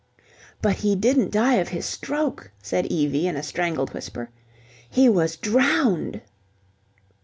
... "But he didn't die of his stroke," said Evie in a strangled whisper. "He was drowned."